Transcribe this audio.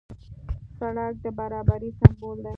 سړک د برابرۍ سمبول دی.